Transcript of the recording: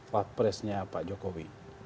pak presnya pak jokowi